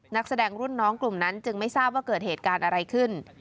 นักแสดงรุ่นน้องกลุ่มนั้นจึงไม่ทราบว่าเกิดเหตุการณ์อะไรขึ้น